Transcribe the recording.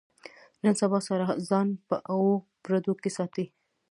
نن سبا ساره ځان په اوو پردو کې ساتي.